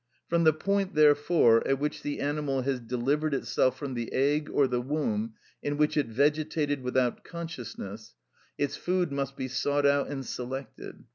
From the point, therefore, at which the animal has delivered itself from the egg or the womb in which it vegetated without consciousness, its food must be sought out and selected.